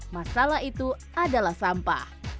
masalah itu adalah sampah